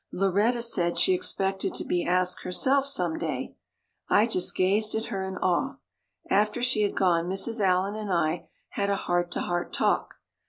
Lauretta said she expected to be asked herself someday. I just gazed at her in awe. After she had gone Mrs. Allan and I had a heart to heart talk.